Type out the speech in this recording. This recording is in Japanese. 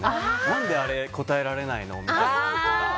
何であれ答えられないの？みたいな。